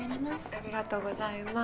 ありがとうございます。